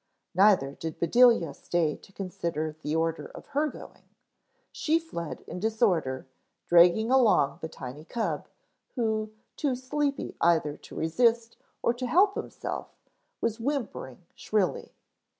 Neither did Bedelia stay to consider the order of her going. She fled in disorder, dragging along the tiny cub, who, too sleepy either to resist or to help himself, was whimpering shrilly.